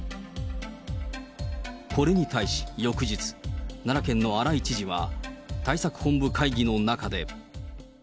これに対し、翌日、奈良県の荒井知事は、対策本部会議の中で。